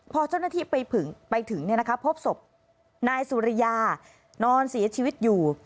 พอเจ้าหน้าที่ไปถึงพบศพนายสุริยานอนเสียชีวิตอยู่